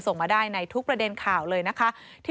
ส่งมาได้ในทุกประเด็นข่าวเลยนะคะ